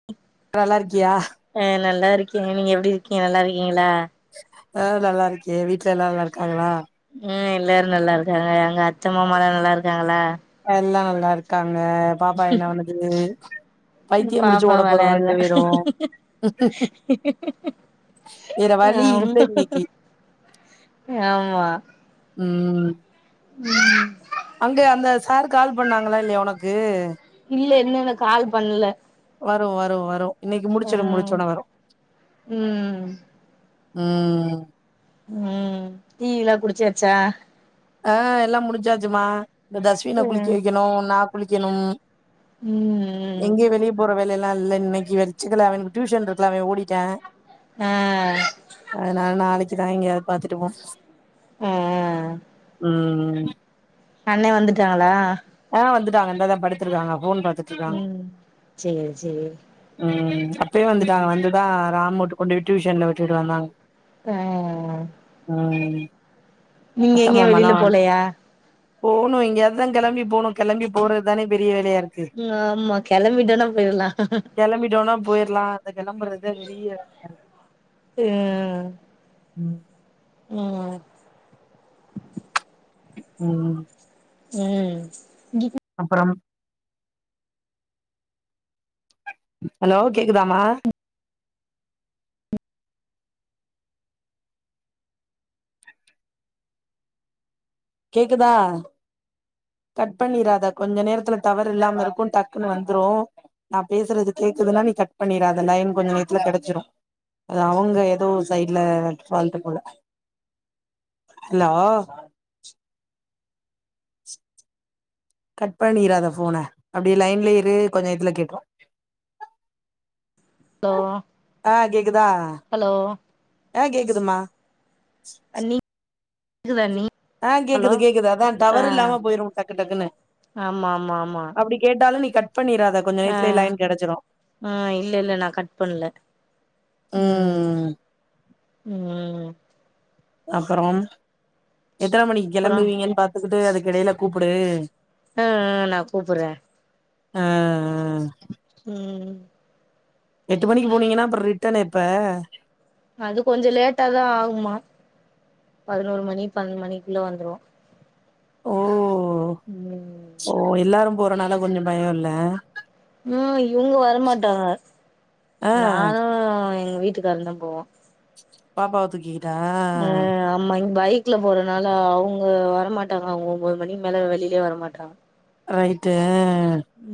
[inaudible] நல்லார்க்கியா அ நல்லா இருக்கேங்க நீங்க எப்படி இருக்கீங்க நல்லா இருக்கீங்களா ஆ நல்லா இருக்கே வீட்ல எல்லாரு நல்லா இருக்காங்களா ம் எல்லாரு நல்லா இருக்காங்க அங்க அத்த மாமால்லா நல்லா இருக்காங்களா எல்லா நல்லா இருக்காங்க பாப்பா என்ன பண்ணுது பைத்தியம் புடிச்சு பாப்பா ஓட போறோ விளையாட்ல ரெண்டு பேரு வேற வழி இல்ல ஆமா இன்னைக்கு ஆமா ம் ஆஹ் அங்க அந்த சார் கால் பண்ணாங்களா இல்லையா உனக்கு இல்ல இன்னுன்னு கால் பண்ணல வரு வரு வரு இன்னைக்கு முடிச்சுரு ம் முடிச்சோன வரு ம் ஆ ம் டீல்லா குடிச்சாச்சா ஆ எல்லாம் முடிஞ்சாச்சுமா இந்த தஸ்வின குளிக்க ம் வெக்கணும் நா குளிக்கணும் ம் ம் எங்கே வெளிய போற வேலைையல்லா இல்ல இன்னைக்கு வெச்சிக்கல அவனுக்கு டியூஷன் இருக்குல அவன் ஓடிட்டா ஆ அதனால நாளைக்குதா எங்கேயாவது பாத்துட்டு போனு ம் ம் ம் அண்ணே வந்துட்டாங்களா ஆ வந்துட்டாங்க இந்தாதா படுத்திடிருக்காங்க ஃபோன் பாத்து அதா ம் சேரி சேரி ம் அப்பயே வந்துட்டாங்க ம் வந்து இப்ப தா ராம் ஊட்டுக் கொண்டு டியூசன்ல வகட்டுட்டு வந்தாங்க ஆ ம் நீங்க அத்த எங்கயு மாமால்லா வெளில போலயா போணு இங்கயாவதுதா கிளம்பி போனு கிளம்பி போறதுதான பெரிய வேலையா இருக்கு ம் ஆமா கெளம்பிட்டோனா போயிடலா கிளம்பிட்டோனா போயிரலா இப்ப கெளம்பறதுதா வெளிய ம் ம் ம் ம் ம் [inaudible] அப்பறம் ஹலோ கேக்குதாமா கேக்குதா கட் பண்ணிராதா கொஞ்சோ நேரத்துல டவர் இல்லாம இருக்கு டக்குன்னு வந்துரு நா பேசுறது கேக்குதுன்னா நீ கட்பண்ணிடாத லைன் கொஞ்ச நேரத்துல கெடச்சிடு அது அவுங்க ஏதோ சைட்ல பாழ்ட்டு போல ஹலோ கட் பண்ணிராத ஃபோன அப்டியே லைன்லய இரு கொஞ்சோ இதுல கேக்கு ஹலோ ஆ கேக்குதா ஹலோ ஆ கேக்குதுமா அண்ணி கேக்குதா அண்ணி ஆ ஹலோ கேக்குது கேக்குது அதா ஆ டவர் இல்லாம போயிரு டக்கு டக்குன்னு ஆமா ஆமா ஆமா அப்டி கேட்டாலு நீ கட் பண்ணிடறாத ஆ ஆ இல்ல இல்ல நா கட் பண்ணல ம் ம் அப்றோம் எத்தன மணிக்கு அப்றோ கிளம்புவீங்கன்னு பாத்துக்கிட்டு அதுக்கிடையில கூப்பிடு ஆ ஆ நா குடுத்தறே ஆ ஆ ம் எட்டு மணிக்கு போனீங்கன்னா அப்றோ ரிட்டர்ன் எப்ப அது கொஞ்சோ லேட்டா தா ஆகுமா பதினோரு மணி பன்னெண்டு மணிக்குள்ள வந்துரு ஓ ம் ஓ எல்லாரு போறனால கொஞ்சோ பயோ இல்ல ம் இவுங்க வரமாட்டாங்க ஆ நானு எங்க வீட்டுக்கருந்தா போவோ பாப்பாவ துக்கிட் அ அப் ஆமா இங்க பைக்ல போறதுனால அவுங்க வரமாட்டாங்க அவுங்க ஒன்பது மணிக்கு மேல வெளியிலயே வர மாட்டாங்க ரைட்டு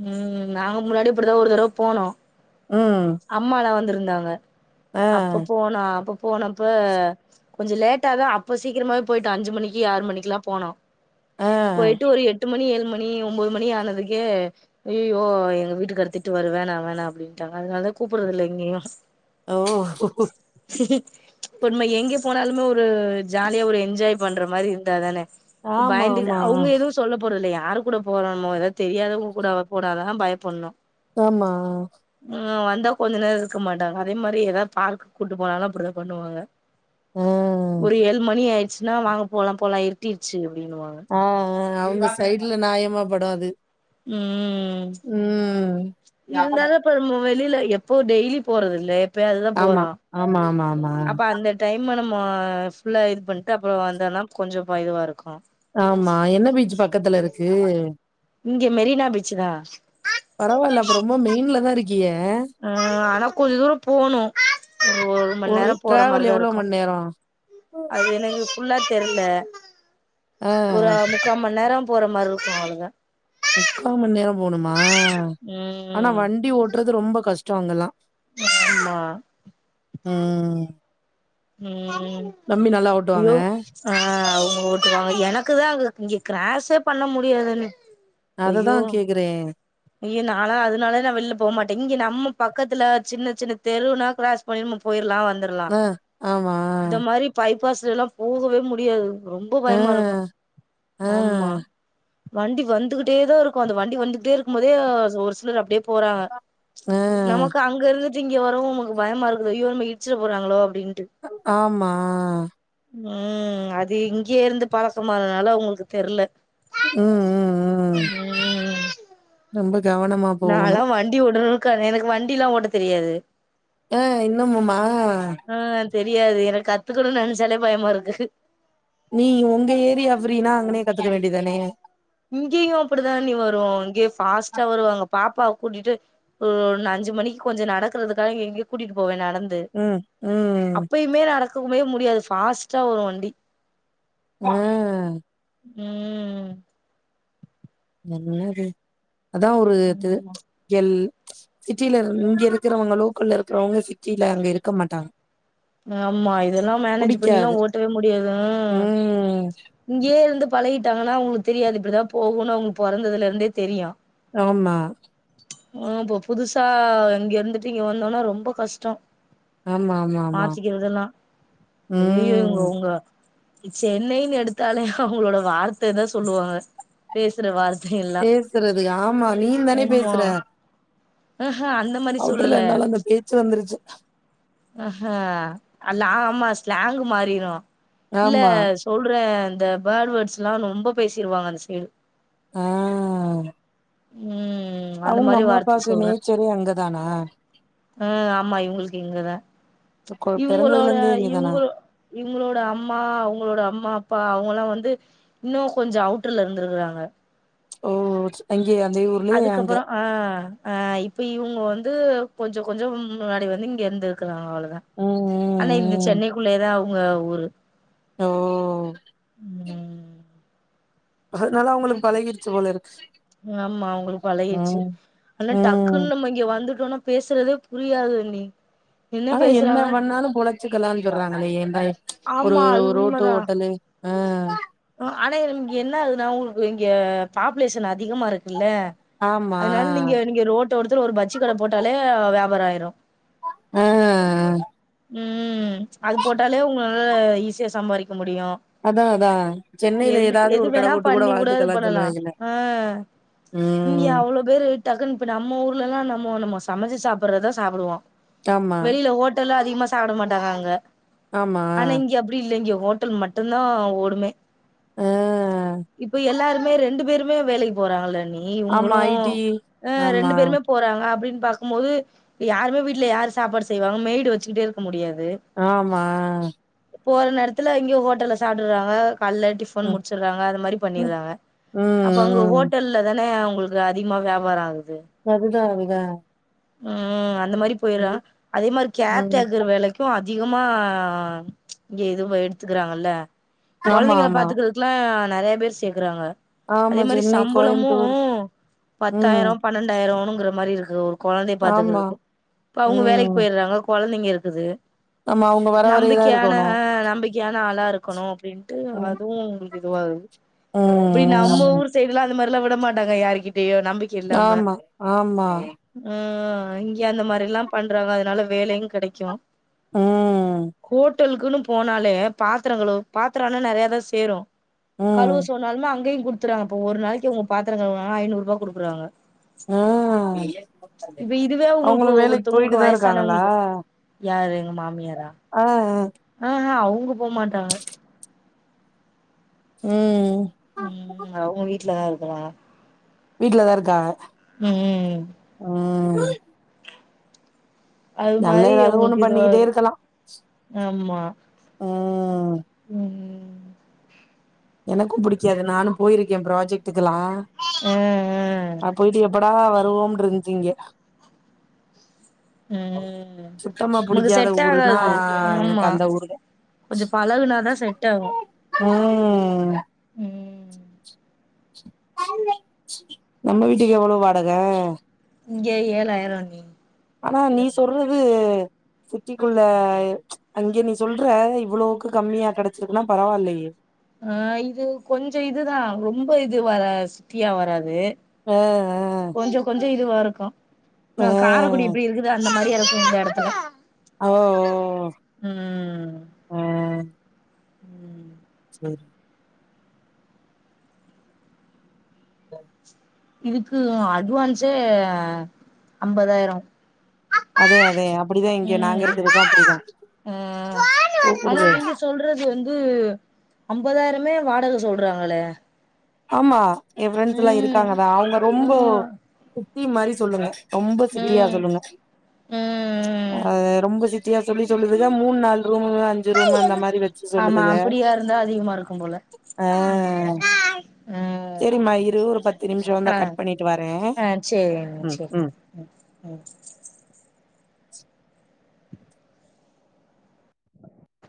உம் நாங்க முன்னாடியே இப்படிதா ஒரு தடவ போனோ ம் அம்மாலா வந்திருந்தாங்க ஆ அப்ப போன அப்ப போனப்ப கொஞ்ச லேட்டா தா அப்ப சீக்கிரமவே போயிட்டு அஞ்சு மணிக்கி ஆறு மணிக்லா போனோ ஆ போயிட்டு ஒரு எட்டு மணி ஏழு மணி மணி ஒன்பது மணி ஆனதுக்கே அய்யோ எங்க வீட்டுக்காரு திட்டுவாரு வேணா வேணா அப்டின்டாங்க அதனால கூப்பறது இல்லைங்ளா ஓ [inaudible] பொ நம்ம எங்கே போனாலுமே ஒரு ஜாலியா ஒரு என்ஜாய் பண்ற மாரி இருந்தாதான ஆமா பயந்துட்டு ஆமா அவுங்க எது சொல்ல போறதில்ல யாரு கூட போறண்மோ ஏதாவது தெரியாதவுங்க கூட போனாதா பயப்பட்ணு ஆமா ம் வந்தா கொஞ்ச நேர இருக்க மாட்டாங்க அதே மாரி ஏதாவது பார்க்கு கூட்டு போனாலு அப்டி தா பண்ணுவாங்க ஆ ஒரு ஏழு மணி ஆயிடுச்சுன்னா வாங்க போலா போலா இருட்டிருச்சு அப்டின்னுவாங்க அவுங்க அவுங்க சைட்ல நியாயமா படு அது ம் ம் இருந்தாலு இப்ப நம்ம வெளில எப்போ டெய்லி போறது இல்லே ஆமா ஆமா ஆமா ஆமா அப்ப அந்த டைம்ம நம்ம ஃபுல்லா இது பண்ணிட்டு அப்பறோ வந்தோன்னா கொஞ்சோ இதுவா இருக்கு ஆமா என்ன பீச் பக்கத்துல இருக்கு இங்க மெரினா பீச்சு தா பரவால்ல அப்ப ரொம்ப மெயின்ல தா இருக்கீக ஆ ஆனா கொஞ்ச தூரோ போணு ஒரு ஒரு மண் நேரோ போற டிராவல் மாரிதா எவ்ளோ இருக்கு மண் நேரோ அது எனக்கு ஃபுல்லா தெர்ல ஆ ஒரு முக்காம் மண் நேரோம் போற்ற மார் இருக்கு [unintelligible] முக்காமண் நேரோ போணுமா ஆனா ம் வண்டி ஓட்டுறது ரொம்ப கஷ்டோ அங்கெல்லா ஆமா ம் ம் நம்பி நல்லா ஓட்டுவாங்க யோ ஆஹ் அவங்க விட்டுவாங்க எனக்கு தான் அங்க இங்க கிராஷ்ஷே பண்ண முடியாதுன்னு அததா கேக்குறே ய்ய நாலா அதனால நா வெள்ல போ மாட்டே இங்க நம்ம பக்கத்துல சின்ன சின்ன தெருவுனா க்ளாஸ் பயமா போயிற்லா வந்தற்லா ஆ ஆமா இந்த மாரி பைப்பாஸ்ல்லா போகவே முடியாது ரொம்ப ஆ பயமா இருக்கு ஆ ஆமா வண்டி வந்துகிட்டே தா இருக்கு அந்த வண்டி வந்துகிட்டே இருக்கும் போதே ஒரு சிலர் அப்டியே போறாங்க ஆ நமக்கு அங் அங்க இருந்துட்டு இங்க வரவு நமக்கு பயமா இருக்குது ஐயோ நம் இட்ச்சர போறங்களோ அப்டின்ட்டு ஆமா ம் அது இங்கேயே இருந்து பழக்கமானனால உங்களுக்கு தெர்ல ம் ம் ம் ம் ரொம்ப கவனமா போகணு நால்லா வண்டி ஓட்டர்க்கு அது எனக்கு வண்டி எல்லா ஓட்ட தெரியாது ஆ இன்னும்மம்மா ஆ தெரியாது எனக் கத்துக்கணுன் நெனச்சாலே பயமா இருக்கு நீ உங்க ஏரிய ஃப்ரின்னா அங்கனே கத்துக்க வேண்டிதானே இங்கியு அப்படிதா அண்ணி வரு இங்கேயு ஃபாஸ்ட்டா வருவாங்க பாப்பாவ கூட்டிட்டு ம் அஞ்சு மணிக்கு கொஞ்ச நடக்கறதுக்காக எங்கேயோ கூட்டிட்டு போவே நடந் ம் ம் மே நடக்கவே முடியாது ஃபாஸ்ட்டா வரும் வண்டி ஆ ஆ என்னது அதா ஒரு து ஆமா எல் சிட்டில இங்க இருக்றவங்க லோக்கல்ல இருக்குறவங்க சிட்டில அங்க இருக்க மாட்டாங்க ஆமா இதெல்லா மேனேஜ் பண்ணிலா புடிக்காது ஓட்டவே முடியாதுங்க ம் இங்கே இருந்து பழகிட்டாங்கனா அவுங்ளுக் தெரியாது இப்டிதா போகுனு பொறந்ததுலந்தே தெரியு ஆமா ஆ இப்ப புதுசா இங்கருந்துட்டு இங்க வந்தோனா ரொம்ப கஷ்ட்டோ ஆமாமா மாற்றிக்கிறதெல்லாம் ஐயய்யோ இங்க ம் ஏங்க சென்னைனு எடுத்தாலே அவுங்ளோட வார்த்த தா சொல்வாங்க பேசுற வார்த்த எல்லா பேசுறது ஆமா நீ தானே பேசுற மாரி அவுட்ர்ல சொல்லல இருந்தாலும் அந்த பேச்சு வந்துருச்சு ஆ அல்ல ஆமா ஸ்லாங்கு மாறிரும் இல்ல ஆமா சொல்றெ இந்த பேர்ட் வேர்ட்ஸ்லாம் ரொம்ப பேசிருவாங்க அந்த சைடு ஆ ம் அந்த அவுங் மாரி அம்மா வார்த்த அப்பாக்கு நேச்சரே அங்க தான அ ஆமா இவங்ளுக்கு இங்கதா கொ பெறந்ததுல இவுங்களோட இருந்தே இங்கதானா இவங்கு இவுங்களோட அம்மா அவுங்களோட அம்மா அப்பா அவுங்கலா வந்து இன்னு கொஞ்சோ அவுட்ர்ல இருந்துருக்குறாங்க ஓ அங்கயே அதே ஊர் அதுக்கப்புறோ ஆ ஆ இப்ப இவுங்க வந்து கொஞ்சோ கொஞ்சோ முன்னாடி வந்து இங்க இருந்துருக்குறாங்க அவள அ ம் ஆனா ம் இந்த ம் சென்னைக்குள்ள தா அவுங்க ஊரு ஓ ம் அதுனால அவுங்களுக்கு பழகிருச்சு போலருக்கு ஆமா அவுங்ளுக்கு பழகிருச்சு ஆனா ம் டக்குன்னு நம்ம இங்க வந்துட்டோனா பேசுறதே புரியாது அண்ணி ஆனா என்ன பண்ணாலும் பொழச்சுக்கலாங்குறாங்களே ஏங்க ஒரு ஆமா அது ரோட்டு உண்மதா ஹோட்டலு ம் ஆனா இங்க என்ன ஆகுதுனா உங்ளுக் இங்க பாப்புலேஷன் அதிகமாருக் ல்ல ஆமா அதுனால நீங்க நீங்க ரோட்டு ஒருத்துல ஒரு பஜ்ஜி கட போட்டாலே வியாபாரொ ஆயிரும் ஆ ம் அது போட்டாலே உங்களால ஈஸியா சம்பாரிக்க முடியும் அதா அதா சென்னையில எது ஏதாவது எது ஒரு கட வேணா போட்டு பண்ணி கூட இது வாழ்ந்துக்கலான்னு பண்ணலா சொல்லுவாங்கல்ல ஆ இங்க ம் அவ்ளோ பேரு டக்குன்னு இப்ப நம்ம ஊர்லலா நம்மோ நம்ம சமச்சு சாப்புறத சாப்புடுவோம் ஆமா வெளில ஹோட்டல அதிகமா சாப்ட மாட்டாங்க அங்க ஆமா ஆனா இங்க அப்டி இல்ல இங்க ஹோட்டல் மட்டு தா ஓடுமே ஆ இப்ப எல்லாருமே ரெண்டு பேருமே வேலக்கி போறாங்கள அண்ணி ஆமா இவுங்ளு ஐ டி ஆ ஆமா ரெண்டு பேருமே போறாங்க அப்டின் பாக்கும் மோது யாருமே வீட்ல யாரு சாப்பாடு செய்வாங்க மெய்டு வச்சுக்ட்டே இருக்க முடியாது ஆமா போற நேரத்துல எங்கயோ ஹோட்டல்ல சாப்டுறாங்க கால்ல டிஃப் ஃபன் ம் முடிச்சுறாங்க அந்த மாரி ம் பண்ணிறாங்க அப்ப அங்க ம் ஹோட்டல் இதுலதான அவுங்ளுக்கு அதிகமா வியாபார ஆவுது அதுதா அதுதா ம் அந்த மாரி பொய்ரு நல்ல அதே மாரி ம் கேர்டேக்கர் வேலைக் து அதிகமா இங்க இது எடுத்துக்கிறாங்கல்ல ஆமா கொழந்தைங்கள ஆமா பாத்துக்கிற க்லா நெறைய பேர் சேக்குறாங்க அதே ஆமா மாரி சென்னை சம்பளமு கோயம்புத்தூர் ம் பத்தாயிரம் பன்னெண்டாயிரோனுங்கிற மாரி இருக்கு ஒரு கொழந்தைய ஆமா பாத்துக்கறக்கு அப்ப அவுங்க வேலைக்கு ம் போய்றாங்க கொழந்தைங்க இருக்குது ஆமா அவங்க வர வரையதா நம்பிக்கியான இருக்கணு நம்பிக் யான ஆளா இருக்கணு அப்டின்ட்டு ம் அதுவு உங்களுக்கு இதுவாகாது அப்டி நம்ம ம் ஊர் சைடு எல்லா அந்த மாரில்லா விடமாட்டங்க யார்கிட்டையு நம்பிக் ஆமா ஆமா அ இங்க அந்த மாரில்லா பண்றாங்க அதனால வேலையு கெடைக்கு ம் கோட் டுன்க்குனு போனாலே பாத்திரங் கழுவ பாத்ரோன்னா நெறையா தா சேரு ம் கழுவ நால்மே அங்கயு குடுத்துறங்க ப்ப ஒரு நாளைக்கு அவுங்க பாத்திரங் கழுவுனாங்க ஐநூருபா குடுக்குறங்க ஆ இப்ப இதுவே உங்களுக் அவங்களு வேலைக்கு போயிட்டு ஒருத்தவங்களுக்கு தா இருக்காங்களா வயசானவங்குளுக்கு யாரு எங்க மாமியாரா ஆஅ அஹ அவுங்க போமாட்டாங்க ம் ம் அவுங்க வீட்லதா இருக்குறாங்க வீட்லதா இருக்காக ம் ம் ம் அது நல்ல மாரி ஏதாவது ஒண்ணு அவுங்ளுக்கு பண்ணிக்கிட்டே இதுவாகு இருக்கலா ஆம்மா ம் ம் எனக்கு புடிக்காது நானு போயிருக்கே ப்ராஜெக்டுக்கெலா ஆ ஆ நா போய்ட்டு எப்ப டா வருவோம்ன்ந்துச்சி இங்கே ம் சுத்தமா நமக்கு புடிக்காத ஊருன்னா செட்டாகாது எனக்கு ஆமா அந்த ஊருதா கொஞ்சோ பழகுனாதா செட்டாகு ம் ம் நம்ம வீட்டுக்கு எவ்ளோ வாடக இங்க ஏழாய்ரோ அண்ணி ஆனா நீ சொல்றது சிட்டிக்குள்ள அங்கே நீ சொல்ற இவ்வளோக்கு கம்மியா கெடைச்சிருக்குன்னா பரவால்லியே ஆ இது கொஞ்சொ இதுதா ரொம்ப இது வரா சிட்டிய வராது அ அ கொஞ்சொ கொஞ்சொ இதுவாருக்கு ஆ நா காரக்குடி இப்புடி இருக்குதா அந்த மாரி எரக்கூ இந்த இடத்துல ஓ ம் ஆ சேரி ஆஹ இதுக்கு அட்வான்ஸே அம்பதாயிர அதே அதே அப்புடிதே இங்க நாங்க ம் இருக்குறது அப்புடிதா ஆ ஆனா கூப்புடுது நீங்க சொல்றது வந்து அம்பதாயிரமே வாடக சொல்றாங்கலே ஆம்மா என் ப்ரெண்ட்ஸ் இல்லா இருக்காங்கதா அவுங்க ரொம்பொ ஆ சுத்தி மாரி சொல்லூங்க ரொம்ப சிட்டியா ம் சொல்லுங்க ம் அ ரொம்ப சிட்டியா சொல்லி சொல்லுதுக மூண் நாலு ரூமு அஞ்சு ரூம் அந்த மாதிரி சு ஆமா சொல்லுதுக அப்படியா இருந்தா அதிகமா இருக்கும் போல அ ம் சேரிம்மா இரு ஒரு பத்து நிம்ஷோ வந்தா ஆ கட் பண்ணிட்டு வரே ஆ சேரிங்க ம் சேரி ம் ம் ம்